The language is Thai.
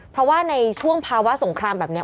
เพราะว่าในช่วงภาวะสงครามแบบนี้